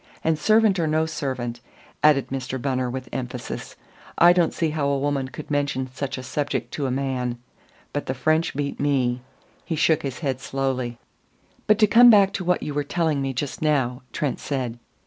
And servant or no servant," added Mr. Bunner with emphasis, "I don't see how a woman could mention such a subject to a man. But the French beat me." He shook his head slowly. "But to come back to what you were telling me just now," Trent said.